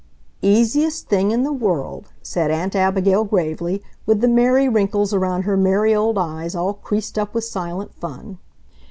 "Easiest thing in the world," said Aunt Abigail gravely, with the merry wrinkles around her merry old eyes all creased up with silent fun.